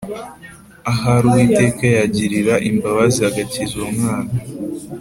ahari Uwiteka yangirira imbabazi agakiza uwo mwana.